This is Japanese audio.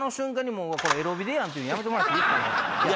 「エロビデやん」ってやめてもらっていいっすか。